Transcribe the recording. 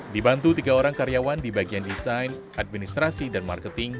dibantu tiga orang karyawan di bagian desain administrasi dan marketing